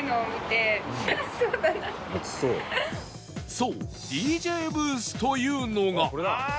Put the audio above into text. そう ＤＪ ブースというのが